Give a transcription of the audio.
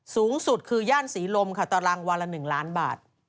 สูงสุดคือย่านศรีลมค่ะตารางวันละ๑ล้านบาท